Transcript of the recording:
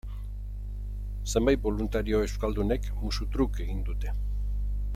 Zenbait boluntario euskaldunek, musu truk, egin dute.